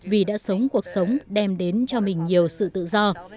vì đã sống cuộc sống đem đến cho mình nhiều sự tự do